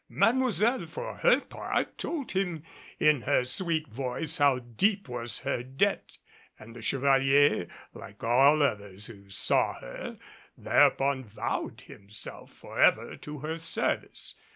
Mademoiselle, for her part, told him in her sweet voice how deep was her debt, and the Chevalier like all others who saw her thereupon vowed himself forever to her service.